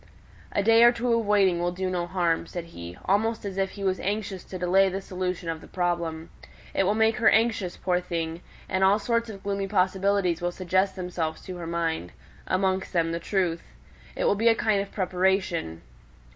"A day or two of waiting will do no harm," said he, almost as if he was anxious to delay the solution of the problem. "It will make her anxious, poor thing, and all sorts of gloomy possibilities will suggest themselves to her mind amongst them the truth; it will be a kind of preparation."